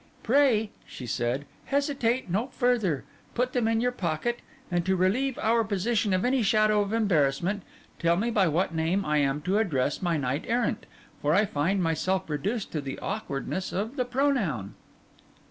'Pray,' she said, 'hesitate no further; put them in your pocket; and to relieve our position of any shadow of embarrassment, tell me by what name I am to address my knight errant, for I find myself reduced to the awkwardness of the pronoun.